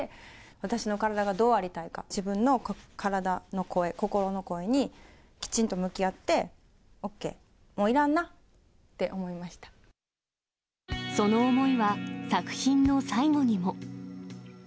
私の体がどうありたいか、自分の体の声、心の声にきちんと向き合って、ＯＫ、もういらんなって思その思いは、作品の最後にも。